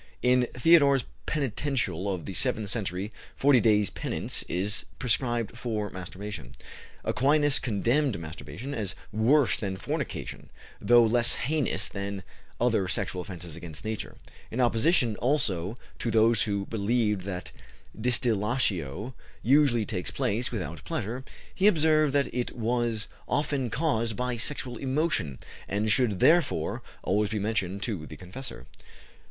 In Theodore's Penitential of the seventh century, forty days' penance is prescribed for masturbation. Aquinas condemned masturbation as worse than fornication, though less heinous than other sexual offences against Nature; in opposition, also, to those who believed that distillatio usually takes place without pleasure, he observed that it was often caused by sexual emotion, and should, therefore, always be mentioned to the confessor.